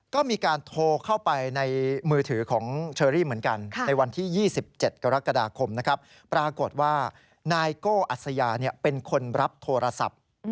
ก็มีการโทรเข้าไปในมือถือของเชอรี่เหมือนกันในวันที่๒๗กรกฎาคมนะครับปรากฏว่านายโก้อัศยาเป็นคนรับโทรศัพท์